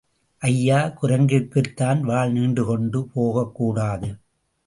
ஐயா, குரங்கிற்குத்தான் வால் நீண்டுகொண்டு போகக் கூடாது.